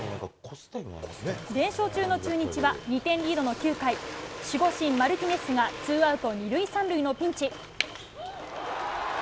連勝中の中日は、２点リードの９回、守護神、マルティネスがツーアウト２塁３塁のピンチ。